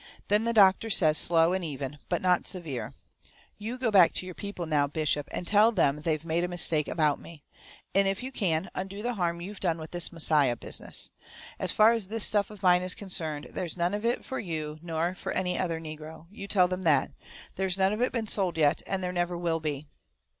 Then the doctor says slow and even, but not severe: "You go back to your people now, bishop, and tell them they've made a mistake about me. And if you can, undo the harm you've done with this Messiah business. As far as this stuff of mine is concerned, there's none of it for you nor for any other negro. You tell them that. There's none of it been sold yet and there never will be."